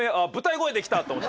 声できた！と思って。